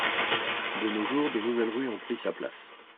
De nos jours, de nouvelles rues ont pris sa place.